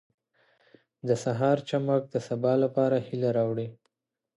• د سهار چمک د سبا لپاره هیله راوړي.